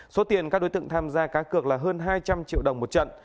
số tiền các đối tượng tham gia cá cược là hơn hai trăm linh triệu đồng một trận